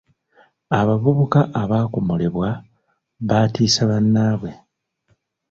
Abavubuka abaakomolebwa batiisa bannaabwe.